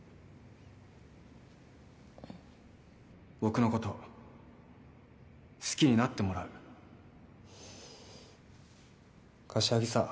うん僕のこと好きになってもらう柏木さまだ